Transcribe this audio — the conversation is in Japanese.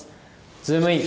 ズームイン！！